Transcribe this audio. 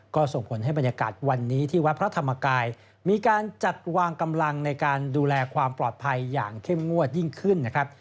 ก็ส่งผลให้บรรยากาศวันนี้ที่วัดพระธรรมกายมีการจัดวางกำลังในการดูแลความปลอดภัยอย่างเข้มงวดยิ่งขึ้นนะครับ